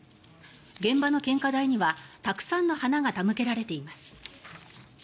現場の献花台にはたくさんの花が手向けられています。